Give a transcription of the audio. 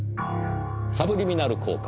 サブリミナル効果。